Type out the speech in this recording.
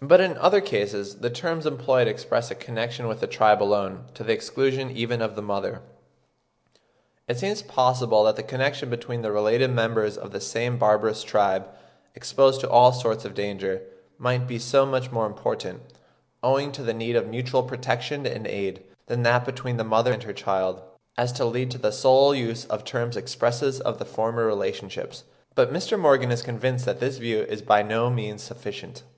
But in other cases the terms employed express a connection with the tribe alone, to the exclusion even of the mother. It seems possible that the connection between the related members of the same barbarous tribe, exposed to all sorts of danger, might be so much more important, owing to the need of mutual protection and aid, than that between the mother and her child, as to lead to the sole use of terms expressive of the former relationships; but Mr. Morgan is convinced that this view is by no means sufficient.